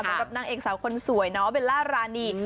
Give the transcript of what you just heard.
สำหรับนางเอกสาวคนสวยน้องเบลล่ารานี